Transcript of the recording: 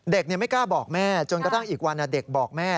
ไม่กล้าบอกแม่จนกระทั่งอีกวันเด็กบอกแม่